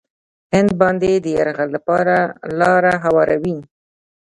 هند باندې د یرغل لپاره لاره هواروي.